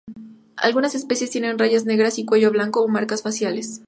Algunas especies tienen rayas negras y cuello blanco o marcas faciales.